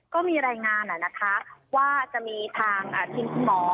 ก็มีรายงานนะคะว่าจะมีทางทีมคุณหมอ